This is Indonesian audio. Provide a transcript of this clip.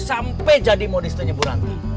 sampai jadi modis ternyamburan